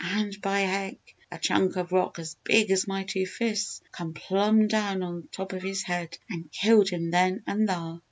And by heck! a chunk of rock as big as my two fists come plumb down on top of his head and killed him then and thar!